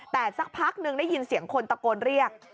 แต่สักพักนึงได้ยินเสียงคนตะโกนเรียก